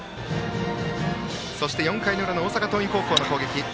４回の裏、大阪桐蔭高校の攻撃。